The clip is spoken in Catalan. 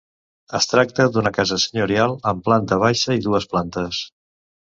Es tracta d'una casa senyorial, amb planta baixa i dues plantes.